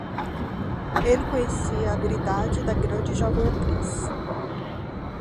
Ele conhecia a habilidade da grande jovem atriz.